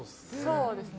そうですね。